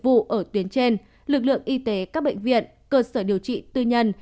vụ ở tuyến trên lực lượng y tế các bệnh viện cơ sở điều trị tư nhân